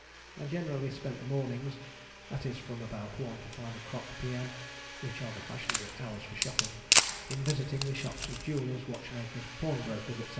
I generally spent the mornings, that is from about one to five o'clock P.M. (which are the fashionable hours for shopping) in visiting the shops of jewellers, watchmakers, pawnbrokers, &c.